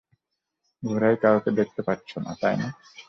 ঘোড়ায় কাউকে দেখতে পাচ্ছো না, তাই না?